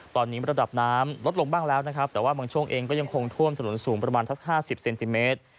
ตอนนี้ระดับน้ำลดลงบ้างแล้วนะครับแต่ว่าบางช่วงเองก็ยังคงท่วมถนนสูงประมาณสัก๕๐เซนติเมตร